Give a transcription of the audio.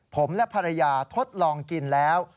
ผมและภรรยาทดลองกินแล้ว